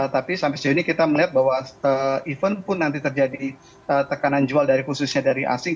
tapi sampai sejauh ini kita melihat bahwa even pun nanti terjadi tekanan jual khususnya dari asing